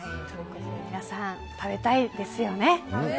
皆さん食べたいですよね？